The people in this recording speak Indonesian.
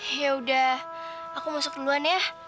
ya udah aku masuk duluan ya